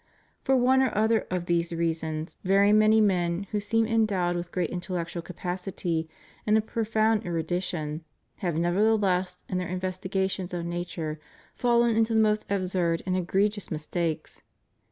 For one or other of these reasons very many men who seem endowed with great intellectual capacity, and of profound erudition, have nevertheless in their investigations of nature fallen into the most absurd and egregious mistakes.